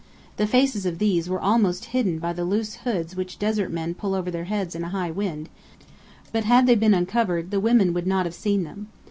The faces of these were almost hidden by the loose hoods which desert men pull over their heads in a high wind, but had they been uncovered the women would not have seen them.